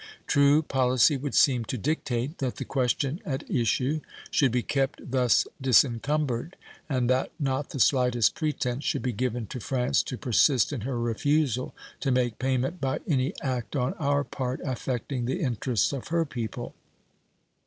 True policy would seem to dictate that the question at issue should be kept thus disencumbered and that not the slightest pretense should be given to France to persist in her refusal to make payment by any act on our part affecting the interests of her people.